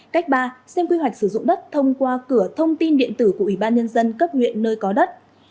cách ba xem quy hoạch sử dụng đất thông qua cửa thông tin điện tử của ủy ban nhân dân cấp huyện nơi có đất